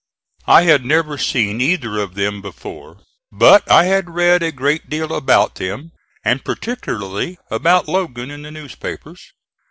I had never seen either of them before, but I had read a great deal about them, and particularly about Logan, in the newspapers.